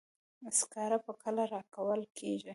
سکاره به کله راکول کیږي.